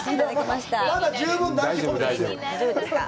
まだ十分大丈夫ですよ。